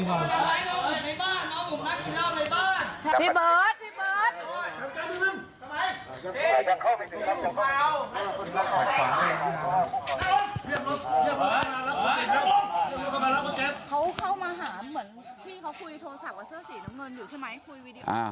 สีน้ำเงินอยู่ใช่ไหมคุยวีดีโอ